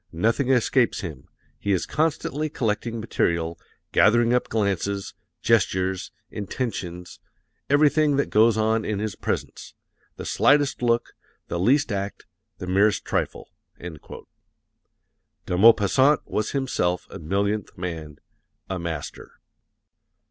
Nothing escapes him. He is constantly collecting material, gathering up glances, gestures, intentions, everything that goes on in his presence the slightest look, the least act, the merest trifle." De Maupassant was himself a millionth man, a Master.